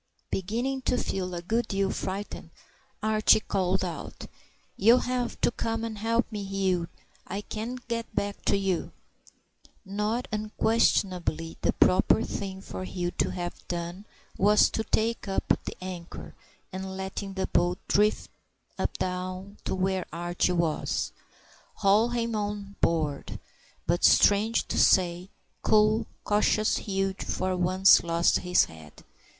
Beginning to feel a good deal frightened, Archie called out, "You'll have to come and help me, Hugh. I can't get back to you." Now unquestionably the proper thing for Hugh to have done was to take up the anchor, and letting the boat drift down to where Archie was, haul him on board. But strange to say, cool, cautious Hugh for once lost his head.